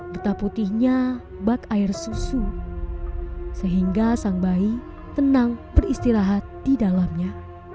beta putihnya bak air susu sehingga sang bayi tenang beristirahat di dalamnya